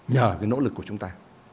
nhờ cái nỗ lực của chúng ta